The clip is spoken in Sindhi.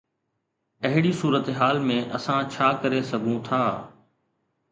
اهڙي صورتحال ۾ اسان ڇا ڪري سگهون ٿا؟